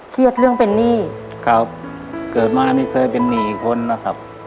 เครียดเรื่องเป็นหนี้ครับเกิดมาไม่เคยเป็นหนี้คนนะครับ